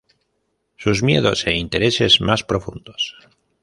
sus miedos e intereses más profundos